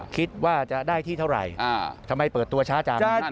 คิดว่าจะได้ที่เท่าไหร่ทำไมเปิดตัวช้าจัง